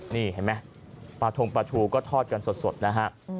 นี่เห็นไหมปลาทงปลาทูก็ทอดกันสดนะฮะ